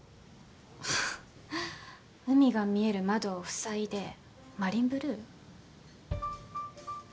ははっ海が見える窓を塞いでマリンブルー？